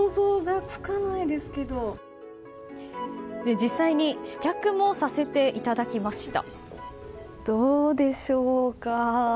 実際に試着もさせていただきました。